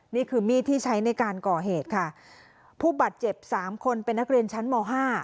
นี่คือมีดที่ใช้ในการก่อเหตุค่ะผู้บาดเจ็บสามคนเป็นนักเรียนชั้นมห้า